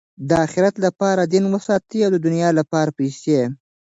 د آخرت له پاره دین وساتئ! او د دؤنیا له پاره پېسې.